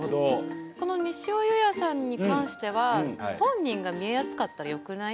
この西尾侑也さんに関しては本人が見えやすかったらよくない？